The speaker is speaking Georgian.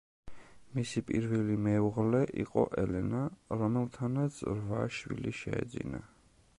მისი პირველი მეუღლე იყო ელენა, რომელთანაც რვა შვილი შეეძინა.